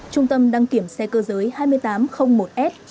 trung tâm đăng kiểm xe cơ giới hai nghìn tám trăm linh một s